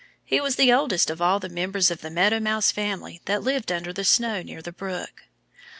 He was the oldest of all the members of the Meadow Mouse family that lived under the snow near the brook.